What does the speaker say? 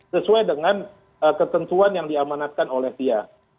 sesuai dengan ketentuan yang diamanatkan oleh dia